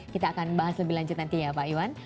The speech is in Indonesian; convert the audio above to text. kita akan bahas lebih lanjut nanti ya pak iwan